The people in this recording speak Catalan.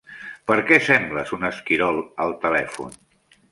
Per què sembles un esquirol al telèfon?